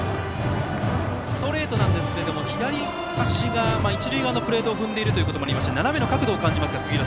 ストレートなんですけども左足が一塁側のプレートを踏んでいることもありまして斜めの角度を感じます。